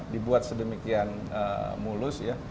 dibuat sedemikian mulus ya